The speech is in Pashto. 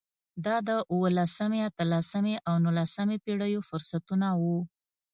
دا د اولسمې، اتلسمې او نولسمې پېړیو فرصتونه وو.